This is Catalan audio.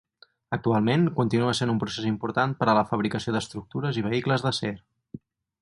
Actualment, continua sent un procés important per a la fabricació d'estructures i vehicles d'acer.